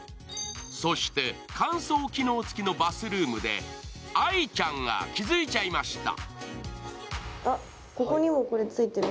そして乾燥機能付きのバスルームで愛ちゃんが気づいちゃいました。